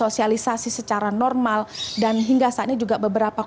ini adalah anggaran yang bisa dipakai peserta batu